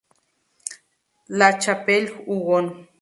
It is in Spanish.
La Chapelle-Hugon